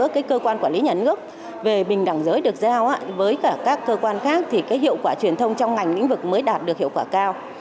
các cơ quan quản lý nhà nước về bình đẳng giới được giao với cả các cơ quan khác thì hiệu quả truyền thông trong ngành lĩnh vực mới đạt được hiệu quả cao